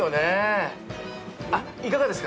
いかがですか？